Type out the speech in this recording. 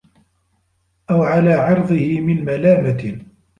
أَوْ عَلَى عِرْضِهِ مِنْ مَلَامَةٍ